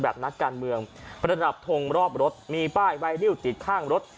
นักการเมืองประดับทงรอบรถมีป้ายไวนิวติดข้างรถ